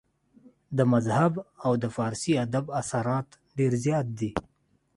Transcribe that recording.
د مذهب او د فارسي ادب اثرات ډېر زيات دي